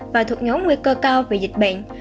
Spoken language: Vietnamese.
và thuộc nhóm nguy cơ cao về dịch bệnh